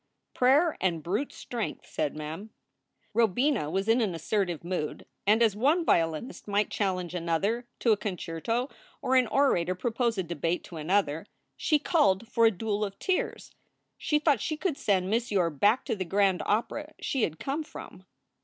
"Prayer and brute strength," said Mem. Robina was in an assertive mood, and, as one violinist might challenge another to a concerto or an orator propose a debate to another, she called for a duel of tears. She thought she could send Miss Yore back to the grand opera she had come from.